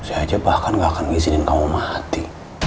saya aja bahkan gak akan izinin kamu mati